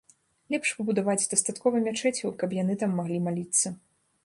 Лепш пабудаваць дастаткова мячэцяў, каб яны там маглі маліцца.